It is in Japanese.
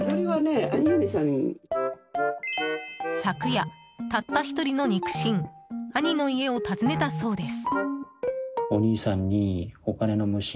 昨夜、たった１人の肉親兄の家を訪ねたそうです。